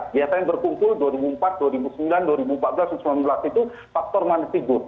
biasanya berkumpul dua ribu empat dua ribu sembilan dua ribu empat belas dua ribu sembilan belas itu faktor mana figur